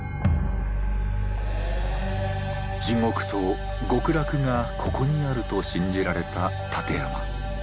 「地獄と極楽がここにある」と信じられた立山。